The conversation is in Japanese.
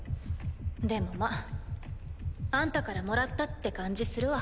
でもまっあんたからもらったって感じするわ。